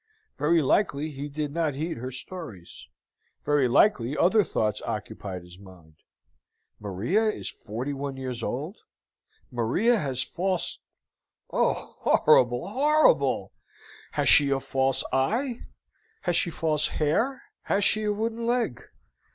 Very likely he did not heed her stories. Very likely other thoughts occupied his mind. Maria is forty one years old, Maria has false . Oh, horrible, horrible! Has she a false eye? Has she false hair? Has she a wooden leg?